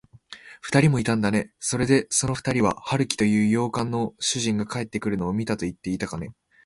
ふたりもいたんだね。それで、そのふたりは、春木という洋館の主人が帰ってくるのを見たといっていたかね。